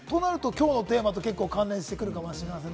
今日のテーマと関連してくるかもしれません。